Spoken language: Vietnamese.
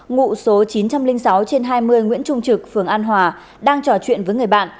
ngụ số chín trăm linh sáu trên hai mươi nguyễn trung trực phường an hòa đang trò chuyện với người bạn